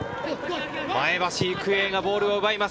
前橋育英がボールを奪います。